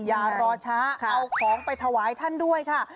อย่ารอช้าเอาของไปถวายท่านด้วยค่ะ